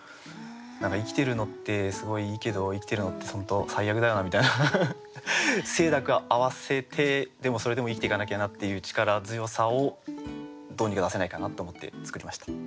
何か生きてるのってすごいいいけど生きてるのって本当最悪だよなみたいな清濁併せてでもそれでも生きていかなきゃなっていう力強さをどうにか出せないかなと思って作りました。